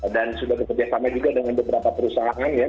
sudah bekerjasama juga dengan beberapa perusahaan ya